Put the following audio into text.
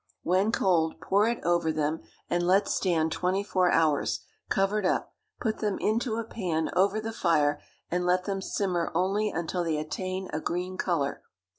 When cold, pour it over them, and let stand twenty four hours, covered up; put them into a pan over the fire, and let them simmer only until they attain a green colour.